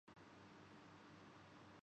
Guinness book world record کے مطابق